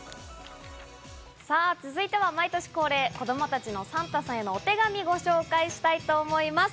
さぁ続いては毎年恒例「子どもたちのサンタさんへのお手紙」をご紹介したいと思います。